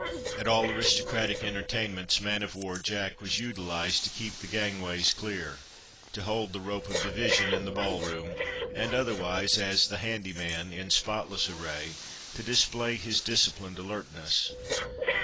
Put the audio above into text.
At all aristocratic entertainments "Man of War Jack" was utilised to keep the gangways clear, to hold the rope of division in the ball room, and otherwise, as "the handy man," in spotless array, to display his disciplined alertness.